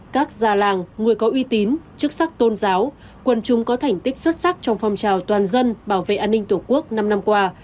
các già làng người có uy tín chức sắc tôn giáo quần chung có thành tích xuất sắc trong phong trào toàn dân bảo vệ an ninh tổ quốc năm năm qua